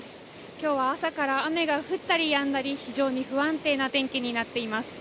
今日は朝から雨が降ったりやんだり非常に不安定な天気になっています。